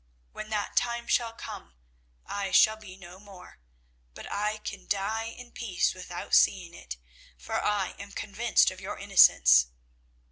When that time shall come I shall be no more, but I can die in peace without seeing it, for I am convinced of your innocence.